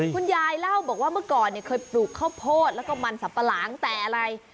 คุณยายเล่าบอกว่าเมื่อก่อนเคยปลูกข้าวโพดแล้วก็มันสับปะหลังแต่อะไร